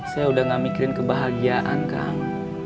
saya udah gak mikirin kebahagiaan kang